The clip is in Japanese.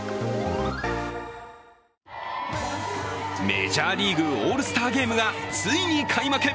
メジャーリーグ、オールスターゲームがついに開幕。